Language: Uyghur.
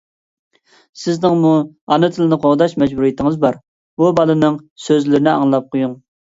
سىزنىڭمۇ ئانا تىلنى قوغداش مەجبۇرىيىتىڭىز بار. بۇ بالىنىڭ سۆزلىرىنى ئاڭلاپ قويۇڭ.